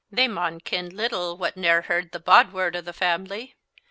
"They maun ken little wha ne'er heard the bod word of the family."